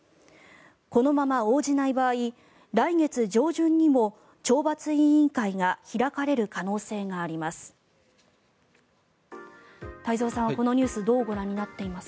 このまま応じない場合来月上旬にも懲罰委員会が開かれる可能性があります。